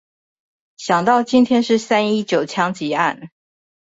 想到今天是三一九槍擊案